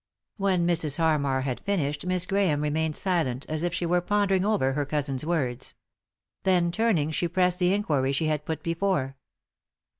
When Mrs. Harmar had finished Miss Grahame remained silent, as if she were pondering over her cousin's words. Then turning, she pressed the inquiry she had put before.